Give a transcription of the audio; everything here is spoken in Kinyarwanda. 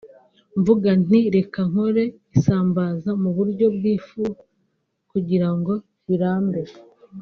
mvuga nti reka nkore isambaza mu buryo bw’ifu kugira ngo birambe